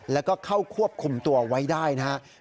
แล้วก็เข้าควบคุมตัวไว้ได้นะครับ